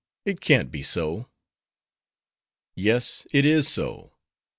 It can't be so." "Yes; it is so.